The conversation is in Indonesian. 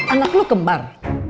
anak lo kembar